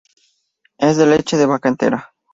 Es de leche de vaca entera.